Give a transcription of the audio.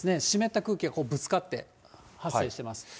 湿った空気がぶつかって、発生してます。